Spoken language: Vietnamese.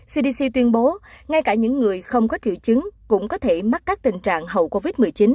cdc tuyên bố ngay cả những người không có triệu chứng cũng có thể mắc các tình trạng hậu covid một mươi chín